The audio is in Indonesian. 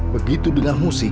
begitu dengan musik